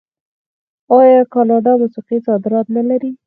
آیا د کاناډا موسیقي صادرات نلري؟